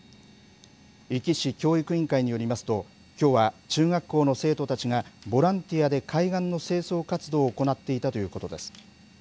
壱岐市教育委員会によりますと、きょうは中学校の生徒たちがボランティアで海岸の清掃活動を行っていたということです。